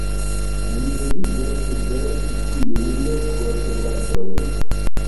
Vi leviĝos super ĉi tiujn sortobatojn.